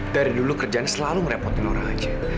dari dulu kerjaan selalu ngerepotin orang aja